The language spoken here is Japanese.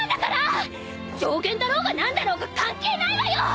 上弦だろうが何だろうが関係ないわよ！